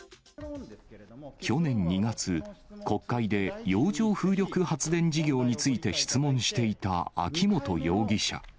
去年２月、国会で洋上風力発電事業について質問していた秋本容疑者。